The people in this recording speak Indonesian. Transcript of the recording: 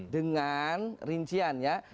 dengan rincian ya